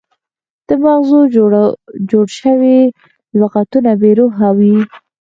د مغزو جوړ شوي لغتونه بې روحه وي.